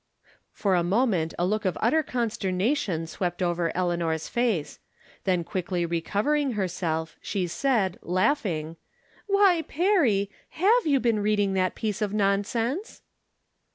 For a moment a look of utter consternation swept over Eleanor's face. Then quickly recover ing herself, she said, laughing :" Why, Perry ! Save you been reading that piece of nonsense